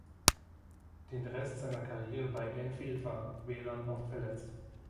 Den Rest seiner Karriere bei Anfield war Whelan oft verletzt.